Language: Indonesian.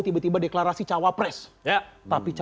tiba tiba deklarasi cawapres ya tapi